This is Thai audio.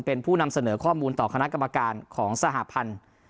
เป็นผู้นำเสนอข้อมูลต่อคณะกรรมการของสหพันธุ์